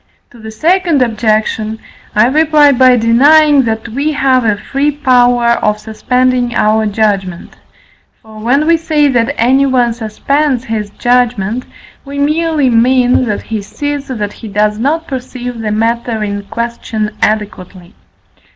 To the second objection I reply by denying, that we have a free power of suspending our judgment: for, when we say that anyone suspends his judgment, we merely mean that he sees, that he does not perceive the matter in question adequately.